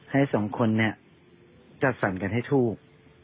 ให้สองคนจัดสรรกันให้ถูก